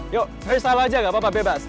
yuk risalah aja gak apa apa bebas